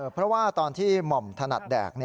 เพราะว่าตอนที่หม่อมถนัดแดก